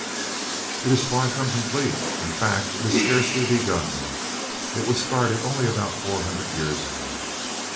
"It is far from complete; in fact, it is scarcely begun. It was started only about four hundred years ago."